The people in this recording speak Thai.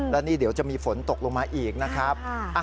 และนี่เดี๋ยวจะมีฝนตกลงมาอีกนะครับ